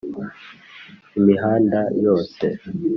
imihanda yose